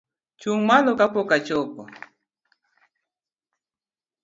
Chung' malo ka pok achopo